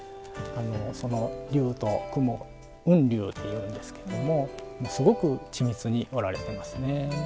その竜と雲雲竜っていうんですけどもすごく緻密に織られてますね。